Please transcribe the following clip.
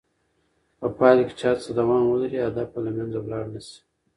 په پایله کې چې هڅه دوام ولري، هدف به له منځه ولاړ نه شي.